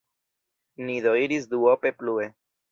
Ni do iris duope plue.